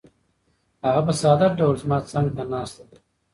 هغه په ساده ډول زما څنګ ته ناسته ده.